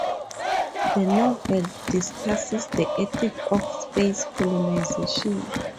The novel discusses the ethics of space colonization.